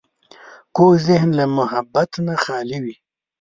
کوږ ذهن له محبت نه خالي وي